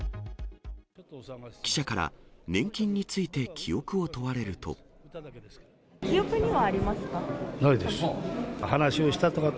記者から年金について記憶を記憶にはありますか？